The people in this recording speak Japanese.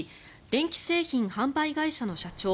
電気製品販売会社の社長